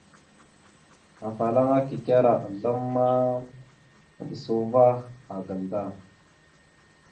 Afalaŋa kikera azlam ma, maɓəsa uvah agal da.